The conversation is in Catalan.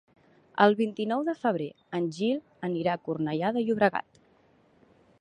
El vint-i-nou de febrer en Gil anirà a Cornellà de Llobregat.